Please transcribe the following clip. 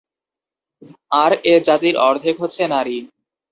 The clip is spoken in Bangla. আর এ জাতির অর্ধেক হচ্ছে নারী।